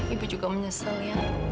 ibu juga menyesal ya